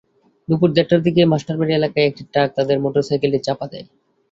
দুপুর দেড়টার দিকে মাস্টারবাড়ি এলাকায় একটি ট্রাক তাঁদের মোটরসাইকেলটি চাপা দেয়।